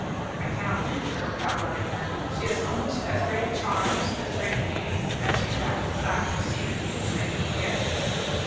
"I cannot think of her without loving her. She has almost as great charms, as great beauty, as you have; but I foresee that you will make me forget her."